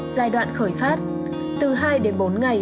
giai đoạn khởi phát từ hai đến bốn ngày